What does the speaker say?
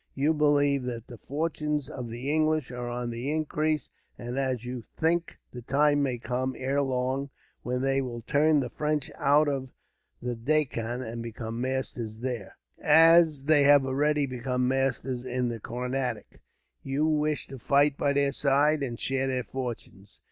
You believe that the fortunes of the English are on the increase; and as you think the time may come, ere long, when they will turn the French out of the Deccan, and become masters there, as they have already become masters in the Carnatic, you wish to fight by their side, and share their fortunes.